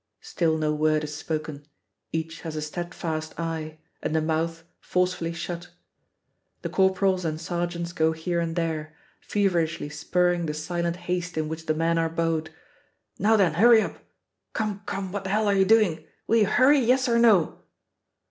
Still no word is spoken; each has a steadfast eye and the mouth forcefully shut. The corporals and sergeants go here and there, feverishly spurring the silent haste in which the men are bowed: "Now then, hurry up! Come, come, what the hell are you doing? Will you hurry, yes or no?"